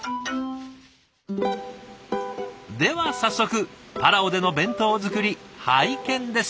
では早速パラオでの弁当作り拝見です。